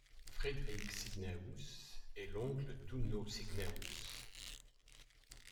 Fredrik Cygnaeus est l'oncle d'Uno Cygnaeus.